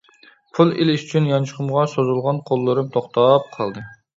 پۇل ئېلىش ئۈچۈن يانچۇقۇمغا سوزۇلغان قوللىرىم توختاپ قالدى.